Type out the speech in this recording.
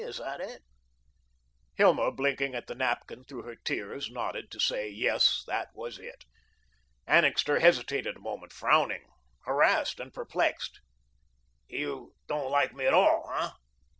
Is that it?" Hilma, blinking at the napkin through her tears, nodded to say, Yes, that was it. Annixter hesitated a moment, frowning, harassed and perplexed. "You don't like me at all, hey?"